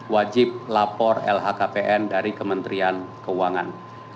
wajib lapor lhkpn dari kementerian keuangan